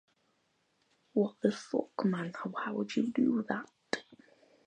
Now listen: I have come here to-night to warn you.